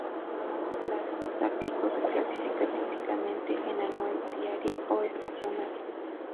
La demanda pico se clasifica típicamente en anual, diaria o estacional.